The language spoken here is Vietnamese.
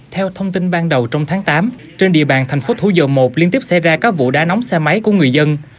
theo thông tin ban đầu trong tháng tám trên địa bàn tp thủ dầu một liên tiếp xe ra các vụ đá nóng xe máy của người dân